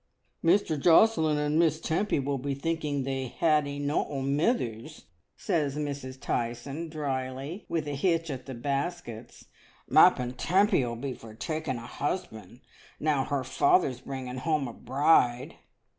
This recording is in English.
"Mr. Josselin and Miss Tempy will be thinking they've had eno' o' mithers," says Mrs. Tyson dryly, with a hitch at the baskets. "M'appen Tempy '11 be for taking a husband, now her father's bringing hoam a bride."